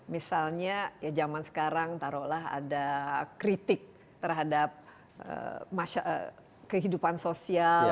misalnya ya zaman sekarang taruhlah ada kritik terhadap kehidupan sosial